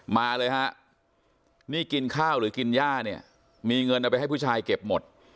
มาเลยฮะนี่กินข้าวหรือกินย่าเนี่ยมีเงินเอาไปให้ผู้ชายเก็บหมด